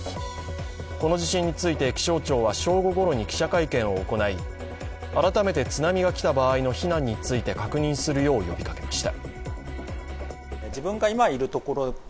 この地震について、気象庁は正午ごろに記者会見を行い、改めて津波が来た場合の避難について確認するよう呼びかけました。